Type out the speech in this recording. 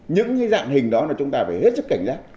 những dạng hình đó chúng ta phải hết sức cảnh giác